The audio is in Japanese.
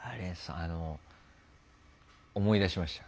あの思い出しましたよ。